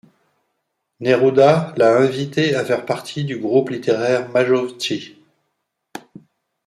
Neruda l'a invité à faire partie du groupe littéraire Májovci.